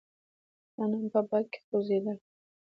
غنم په باد کې خوځېدل.